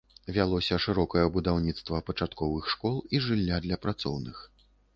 Вялося шырокае будаўніцтва пачатковых школ і жылля для працоўных.